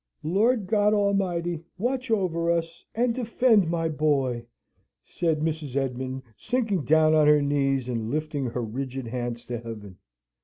"Lord God Almighty, watch over us, and defend my boy!" said Mrs. Esmond, sinking down on her knees, and lifting her rigid hands to Heaven.